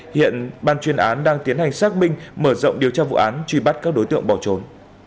hiện ban chuyên án đang tiến hành xác minh mở rộng điều tra vụ án truy bắt các đối tượng bỏ trốn